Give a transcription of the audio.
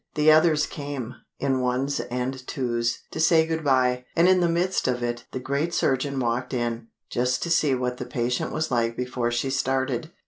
The others came, in ones and twos, to say good bye. And in the midst of it, the great surgeon walked in—just to see what the patient was like before she started.